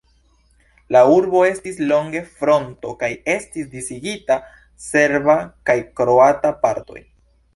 La urbo estis longe fronto kaj estis disigita serba kaj kroata partoj.